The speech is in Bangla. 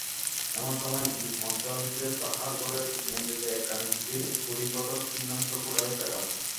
এমন সময় একদিন মধ্যাহ্নে তাহার ঘরের মেজেতে একখানি চিঠির গুটিকতক ছিন্নাংশ কুড়াইয়া পাইলাম।